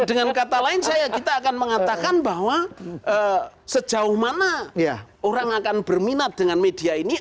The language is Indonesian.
dengan kata lain kita akan mengatakan bahwa sejauh mana orang akan berminat dengan media ini